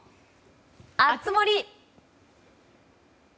熱盛。